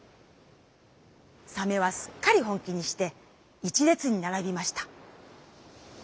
サメはすっかり本気にして一れつにならびました」。